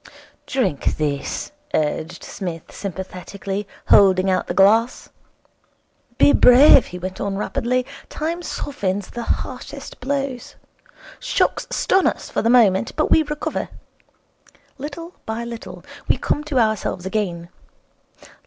'Drink this,' urged Psmith sympathetically, holding out the glass. 'Be brave,' he went on rapidly. 'Time softens the harshest blows. Shocks stun us for the moment, but we recover. Little by little we come to ourselves again.